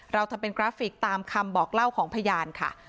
เราทำเป็นกราฟิกตามคำบอกเล่าของพยานค่ะ